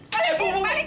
balik balik balik